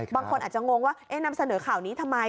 บางคนอาจจะงงว่านำเสนอข่าวนี้ทำไม